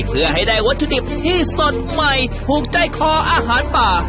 เพื่อให้ได้วัตถุดิบที่สดใหม่ถูกใจคออาหารป่า